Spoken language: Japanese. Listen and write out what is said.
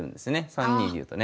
３二竜とね。